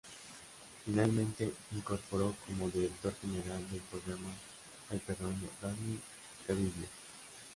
Finalmente, incorporó como director general del programa al peruano Danny Gavidia.